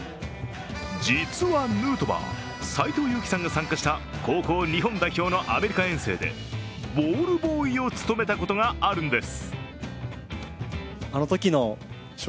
実はヌートバー、斎藤佑樹さんが参加した高校日本代表のアメリカ遠征でボールボーイを務めたことがあるんです。